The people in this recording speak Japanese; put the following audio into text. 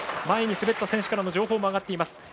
前に滑った選手からの情報も上がっています。